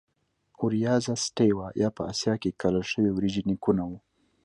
د Oryza sativa یا په اسیا کې کرل شوې وریجې نیکونه وو.